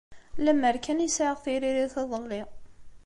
Lemmer kan i sɛiɣ tiririt iḍelli.